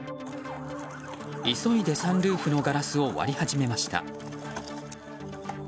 急いでサンルーフのガラスを割り始めました。